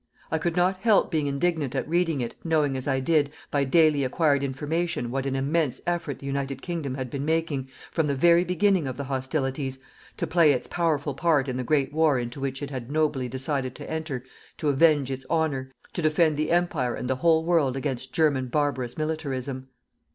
I could not help being indignant at reading it, knowing as I did, by daily acquired information what an immense effort the United Kingdom had been making, from the very beginning of the hostilities, to play its powerful part in the great war into which it had nobly decided to enter to avenge its honour, to defend the Empire and the whole world against German barbarous militarism.